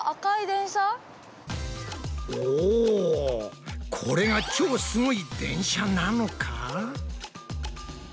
おぉこれが超すごい電車なのか？